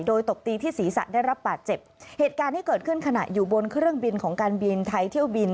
โดยตบตีที่ศีรษะได้รับบาดเจ็บเหตุการณ์ที่เกิดขึ้นขณะอยู่บนเครื่องบินของการบินไทยเที่ยวบิน